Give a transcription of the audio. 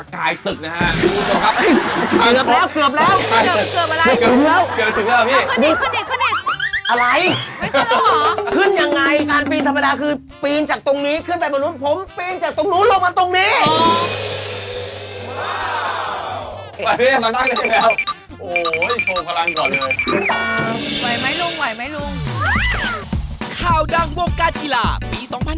ขังคบตะไก่ตึกนะครับ